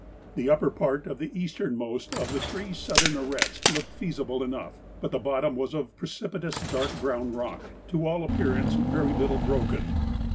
The upper part of the easternmost of the three southern arêtes looked feasible enough, but the bottom was of precipitous dark brown rock, to all appearance very little broken.